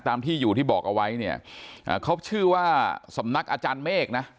ตามที่อยู่ที่บอกเอาไว้เนี่ยเขาชื่อว่าสำนักอาจารย์เมฆนะ